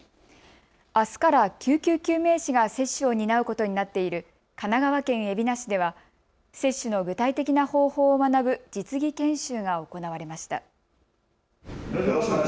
あすから救急救命士が接種を担うことになっている神奈川県海老名市では接種の具体的な方法を学ぶ実技研修が行われました。